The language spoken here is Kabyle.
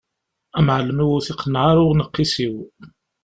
Amεellem-iw ur t-iqenneε ara uneqqis-iw.